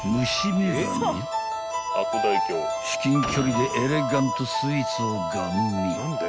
［至近距離でエレガントスイーツをガン見］